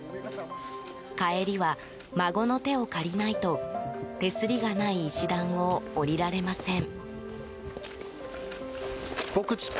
帰りは、孫の手を借りないと手すりがない石段を下りられません。